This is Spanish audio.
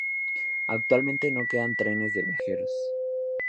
Actualmente no quedan trenes de viajeros.